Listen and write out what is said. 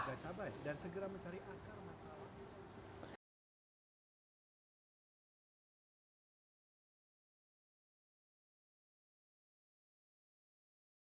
harga cabai rawit di daftar kementerian perdagangan sekitar rp lima belas per kilogram